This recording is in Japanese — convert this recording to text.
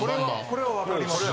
これはわかりますね。